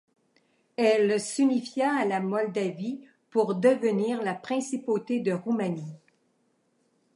Elle s'unifia à la Moldavie pour devenir la principauté de Roumanie.